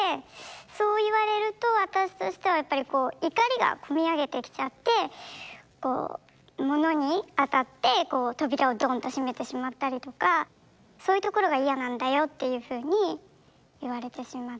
そう言われると私としてはやっぱりこう怒りが込み上げてきちゃってこう物にあたってこう扉をドンと閉めてしまったりとかそういうところが嫌なんだよっていうふうに言われてしまって。